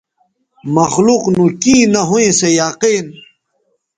مخلوق نو کیں نہ ھویں سو یقین